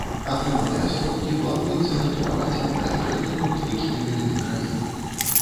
Атрыманыя сродкі плануецца накіраваць на паляпшэнне турыстычнай галіны краіны.